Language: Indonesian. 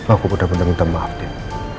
aku benar benar minta maaf ya